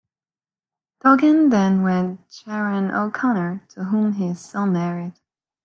Dugan then wed Sharon O'Connor, to whom he is still married.